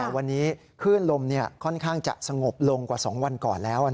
วันนี้คลื่นลมค่อนข้างจะสงบลงกว่า๒วันก่อนแล้ว